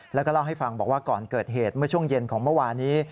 แล้วก็เล่าให้ฟังบอกว่าก่อนเกิดเหตุเมื่อช่วงเย็นของเมื่อวานี้